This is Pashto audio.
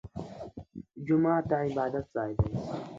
جومات د عبادت ځای دی